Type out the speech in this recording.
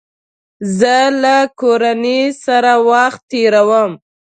زه له کورنۍ سره وخت تېرووم.